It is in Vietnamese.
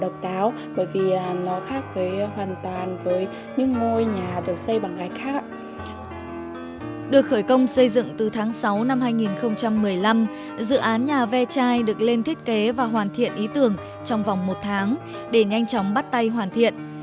được khởi công xây dựng từ tháng sáu năm hai nghìn một mươi năm dự án nhà ve chai được lên thiết kế và hoàn thiện ý tưởng trong vòng một tháng để nhanh chóng bắt tay hoàn thiện